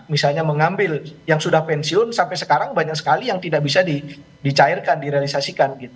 misalnya mengambil yang sudah pensiun sampai sekarang banyak sekali yang tidak bisa dicairkan direalisasikan